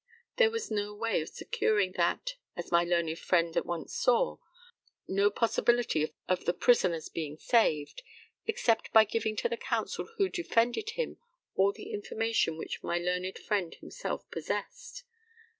There was no way of securing that, as my learned friend at once saw, no possibility of the prisoner's being saved, except by giving to the counsel who defended him all the information which my learned friend himself possessed.